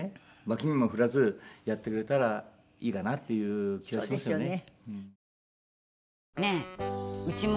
わき目も振らずやってくれたらいいかなっていう気がしますよね。